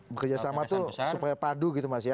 bekerja sama tuh supaya padu gitu mas ya